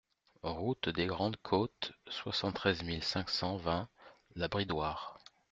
Route des Grandes Côtes, soixante-treize mille cinq cent vingt La Bridoire